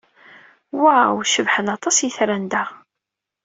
Waw! Cebḥen aṭas yitran da.